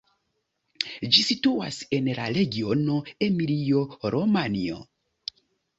Ĝi situas en la regiono Emilio-Romanjo.